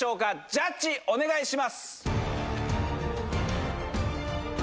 ジャッジお願いします。